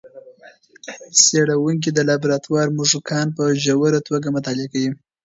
څېړونکي د لابراتوار موږکان په ژوره توګه مطالعه کوي.